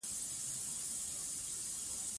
لیکل شوی تاریخ د شفاهي تاریخ په پرتله ډېر د ډاډ وړ وي.